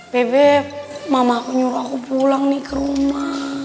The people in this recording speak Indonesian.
bebe mama aku nyuruh aku pulang nih ke rumah